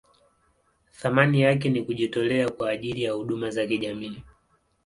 Thamani yake ni kujitolea kwa ajili ya huduma za kijamii.